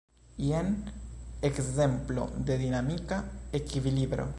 Jen ekzemplo de dinamika ekvilibro.